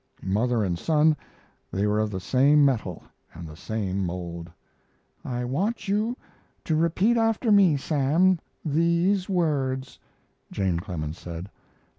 Mother and son, they were of the same metal and the same mold. "I want you to repeat after me, Sam, these words," Jane Clemens said.